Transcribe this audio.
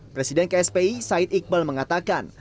presiden kspi said iqbal mengatakan